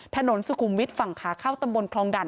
ถนนสุขุมวิทย์ฝั่งขาเข้าตำบลคลองด่าน